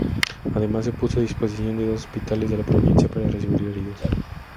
Además, se puso a disposición dos hospitales de la provincia para recibir heridos.